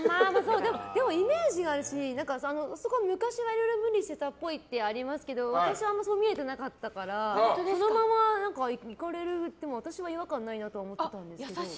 でも、イメージがあるし昔は色々ムリして多っぽいってありますけど私はそう見えてなかったからそのままいかれても私は違和感ないと思うんですけど。